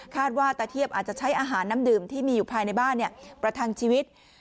ว่าตะเทียบอาจจะใช้อาหารน้ำดื่มที่มีอยู่ภายในบ้านประทังชีวิต